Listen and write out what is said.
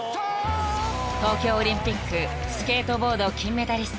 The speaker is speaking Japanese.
［東京オリンピックスケートボード金メダリスト］